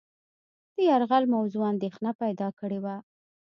د یرغل موضوع اندېښنه پیدا کړې وه.